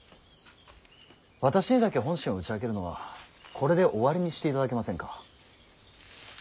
私にだけ本心を打ち明けるのはこれで終わりにしていただけませんか。